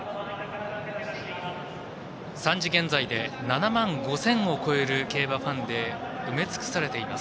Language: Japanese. ３時現在で７万５０００を超える競馬ファンで埋め尽くされています